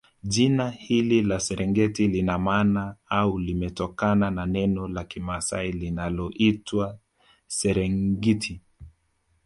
Jina hili la Serengeti lina maana au limetokana na neno la kimasai linaloitwa Serengiti